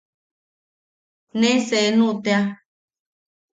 Ne seenu tea.